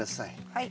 はい。